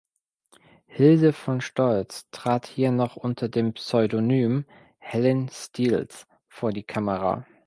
Hilde von Stolz trat hier noch unter dem Pseudonym Helen Steels vor die Kamera.